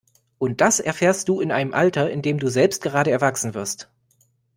Und das erfährst du in einem Alter, in dem du selbst gerade erwachsen wirst.